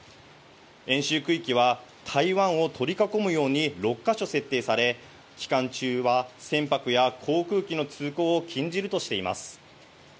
演習区域は台湾を取り囲むように６か所設置され、期間中は船舶や航空機の通行を禁じるとしています。